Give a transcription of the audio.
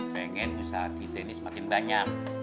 pengen usaha kita ini semakin banyak